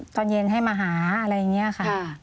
ตอนเย็นให้มาหาอะไรอย่างนี้ค่ะ